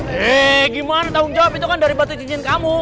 he gimana tanggung jawab itu kan dari batu jin jin kamu